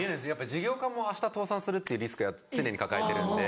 事業家もあした倒産するっていうリスクは常に抱えてるんで。